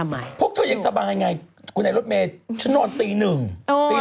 เรารู้สึกว่าเราผวาเราจะตื่นบ่อย